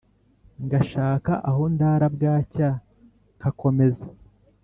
Ngashaka aho ndara bwaca nkakomeza